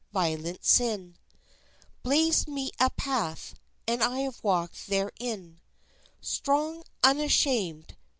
Violent sin Blazed me a path, and I have walked therein, Strong, unashamed.